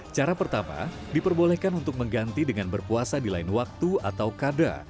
cara pertama diperbolehkan untuk mengganti dengan berpuasa di lain waktu atau kada